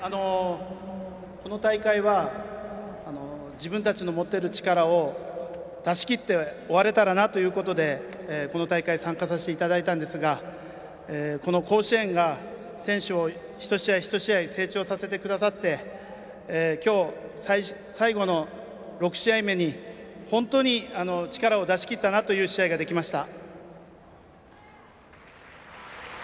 この大会は自分たちの持てる力を出しきって終われたらなということでこの大会参加させていただいたんですがこの甲子園が選手を１試合１試合成長させてくださって今日、最後の６試合目に本当に力を出しきったなという試合ができました。